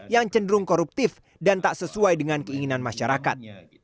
yang cenderung koruptif dan tak sesuai dengan keinginan masyarakat